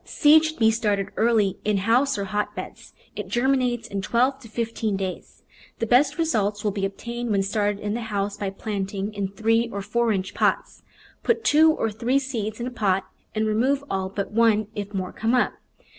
Seed should be started early in house or hot beds. It germinates in twelve to fifteen days. The best results will be obtained when started in the house by planting in three or four inch pots. Put two or three seeds in a pot and remove all but one if more come up.